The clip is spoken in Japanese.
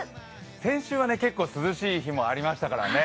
先週は結構、涼しい日もありましたからね。